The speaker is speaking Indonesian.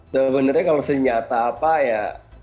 sebenarnya kalau senjata apa ya